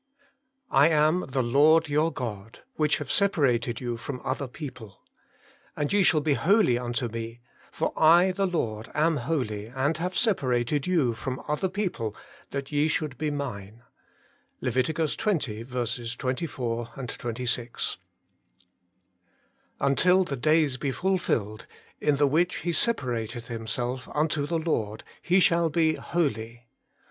I am the Lord your God, which have separated you from other people. And ye shall be holy unto me, for I the Lord am holy, and have separated you from other people that ye should be MineS LEV. xx. 24, 26. ' Until the days be fulfilled, in the which he separateth him self unto the Lord, he shall be holy.